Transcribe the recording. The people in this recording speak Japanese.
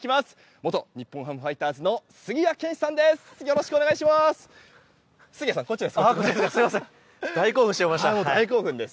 元日本ハムファイターズの杉谷拳士さんです。